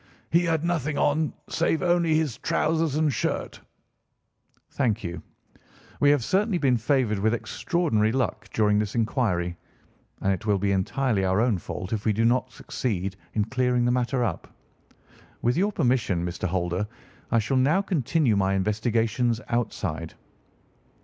"He had nothing on save only his trousers and shirt." "Thank you. We have certainly been favoured with extraordinary luck during this inquiry, and it will be entirely our own fault if we do not succeed in clearing the matter up. With your permission, Mr. Holder, I shall now continue my investigations outside."